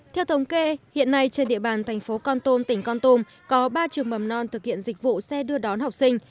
theo thống kê hiện nay trên địa bàn tp con tum tỉnh con tum có ba trường mầm non thực hiện dịch vụ xe đưa đón học sinh